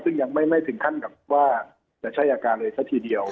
ซึ่งยังไม่ถึงขั้นกับว่าจะใช้อาการเลยซะทีเดียว